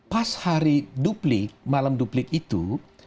pas hari duplik malam duplik itu